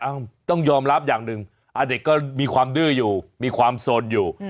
ต้องยอมรับอย่างหนึ่งเด็กก็มีความดื้ออยู่มีความสนอยู่